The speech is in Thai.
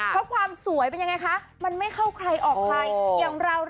เพราะความสวยเป็นยังไงคะมันไม่เข้าใครออกใครอย่างเรา